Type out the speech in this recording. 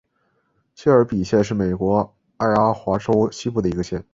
谢尔比县是美国爱阿华州西部的一个县。